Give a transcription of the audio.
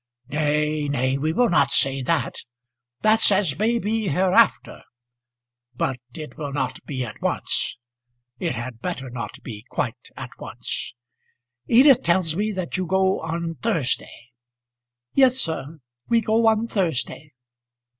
"Nay, nay; we will not say that. That's as may be hereafter. But it will not be at once. It had better not be quite at once. Edith tells me that you go on Thursday." "Yes, sir; we go on Thursday."